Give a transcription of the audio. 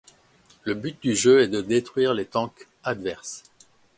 Le but du jeu est de détruire les tanks adverses.